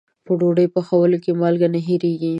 په ډوډۍ پخولو کې مالګه نه هېریږي.